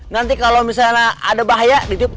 nanti kalau misalnya ada bahaya